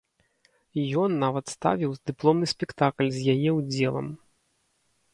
Ён нават ставіў дыпломны спектакль з яе ўдзелам.